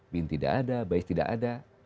bin tidak ada bais tidak ada